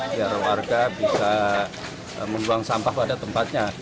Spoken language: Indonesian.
biar warga bisa membuang sampah pada tempatnya